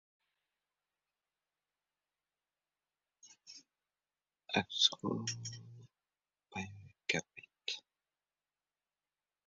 Akasi xo‘p binoyi gap aytdi.